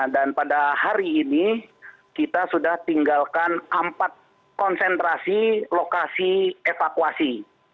dan pada hari ini kita sudah tinggalkan empat konsentrasi lokasi evakuasi